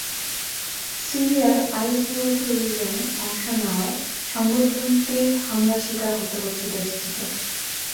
সিরিয়ায় আইএসবিরোধী অভিযানে অংশ নেওয়ায় সংগঠনটির হামলার শিকার হতে হচ্ছে দেশটিকে।